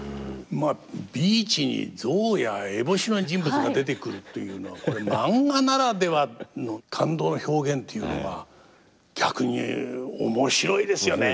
ビーチに象や烏帽子の人物が出てくるというのはこれマンガならではの感動の表現っていうのは逆に面白いですよね。